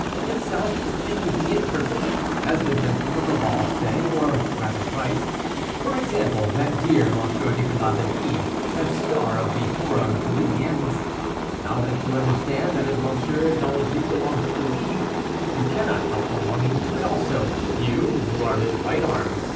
"Himself, speaking to me in person, as the gentlemen of the law say, or rather write; for example, that dear M. Nicolas David, that star of the Forum Parisiense. Now you understand that as M. d'Anjou belongs to the League, you cannot help belonging to it also; you, who are his right arm.